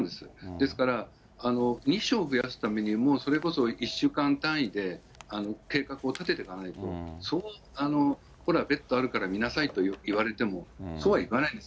ですから、２床増やすために、もうそれこそ１週間単位で計画を立ててかないと、これは、ベッドあるから診なさいと言われても、そうはいかないんです。